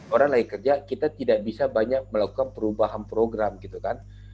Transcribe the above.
orang lagi kerja kita tidak bisa banyak melakukan perubahan program gitu kan